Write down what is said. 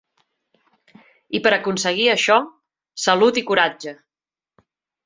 I per aconseguir això, salut i coratge.